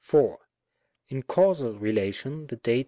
In Causal relation the Dat.